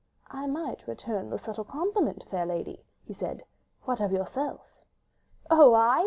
"I might return the subtle compliment, fair lady," he said. "What of yourself?" "Oh, I?"